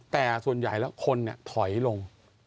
แต่ส่วนใหญ่แล้วคนถอยลง